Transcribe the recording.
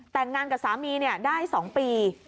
แต่งงานกับสามีได้๒ปี